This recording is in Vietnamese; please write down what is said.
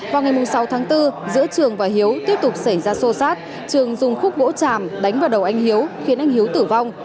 vào ngày sáu tháng bốn giữa trường và hiếu tiếp tục xảy ra xô xát trường dùng khúc gỗ tràm đánh vào đầu anh hiếu khiến anh hiếu tử vong